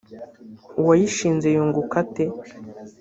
uwayishinze yunguka ate